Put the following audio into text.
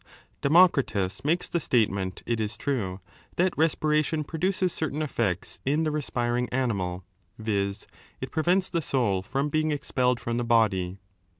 Democritus makes the statement, it is true, that respira tion produces certain effects in the respiring animal, viz. it prevents the soul from being expelled from the body.